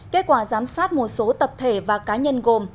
kết quả giám sát một số tập thể và cá nhân gồm